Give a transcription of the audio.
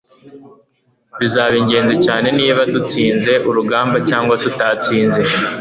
bizaba ingenzi cyane niba dutsinze urugamba cyangwa tutatsinze